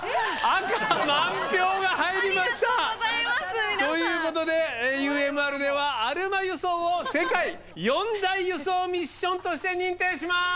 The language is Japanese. ありがとうございます皆さん。ということでＵＭＲではアルマ輸送を世界四大輸送ミッションとして認定します！